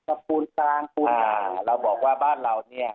ักภูมิตลงตายภูมิตลงอ่าเราบอกว่าบ้านเราเนี่ย